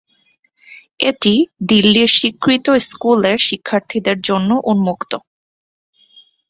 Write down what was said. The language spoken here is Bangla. এটি দিল্লির স্বীকৃত স্কুলের শিক্ষার্থীদের জন্য উন্মুক্ত।